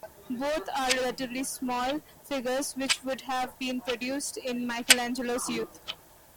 Both are relatively small figures which would have been produced in Michelangelo's youth.